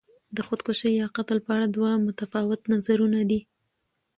د خودکشي یا قتل په اړه دوه متفاوت نظرونه دي.